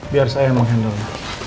biar saya mengendalinya